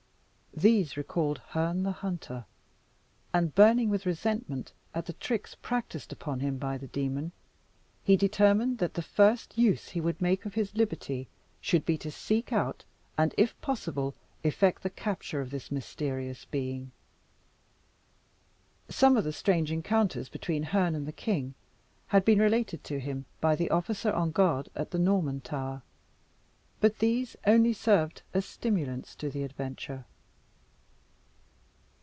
These recalled Herne the Hunter; and burning with resentment at the tricks practised upon him by the demon, he determined that the first use he would make of his liberty should be to seek out, and, if possible, effect the capture of this mysterious being. Some of the strange encounters between Herne and the king had been related to him by the officer on guard at the Norman Tower but these only served as stimulants to the adventure.